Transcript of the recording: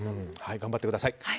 頑張ってください。